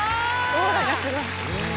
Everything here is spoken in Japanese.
オーラがすごい。